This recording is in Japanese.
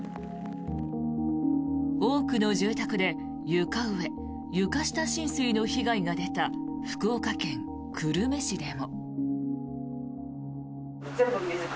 多くの住宅で床上・床下浸水の被害が出た福岡県久留米市でも。